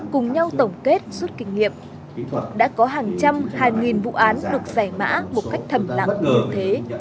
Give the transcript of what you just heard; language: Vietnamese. cùng nhau tổng kết suốt kinh nghiệm đã có hàng trăm hàng nghìn vụ án được giải mã một cách thầm lặng như thế